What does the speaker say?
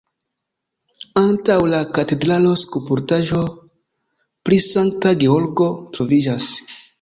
Antaŭ la katedralo skulptaĵo pri Sankta Georgo troviĝas.